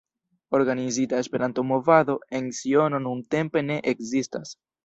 Organizita Esperanto-movado en Siono nuntempe ne ekzistas.